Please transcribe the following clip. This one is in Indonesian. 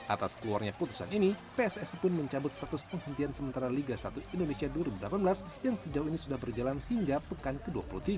atas keluarnya putusan ini pssi pun mencabut status penghentian sementara liga satu indonesia dua ribu delapan belas yang sejauh ini sudah berjalan hingga pekan ke dua puluh tiga